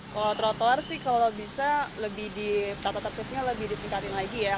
kalau trotoar sih kalau bisa lebih di tata tertibnya lebih ditingkatin lagi ya